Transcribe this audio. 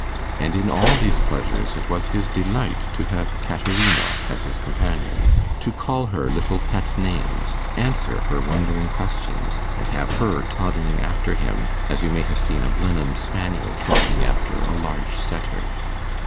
And in all these pleasures it was his delight to have Caterina as his companion, to call her little pet names, answer her wondering questions, and have her toddling after him as you may have seen a Blenheim spaniel trotting after a large setter.